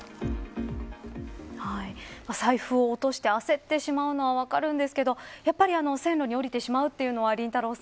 財布を落として焦ってしまうのは分かるんですけどやっぱり線路に降りてしまうというのは、りんたろー。